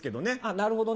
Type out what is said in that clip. なるほどね。